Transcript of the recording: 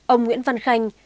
ông nguyễn văn khanh